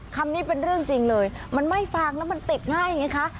คำนี้เป็นเรื่องจริงเลยมันไม่ฟางแล้วมันติดง่ายไงคะ